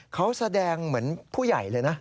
เขาแสดงเหมือนผู้ใหญ่เลยนะ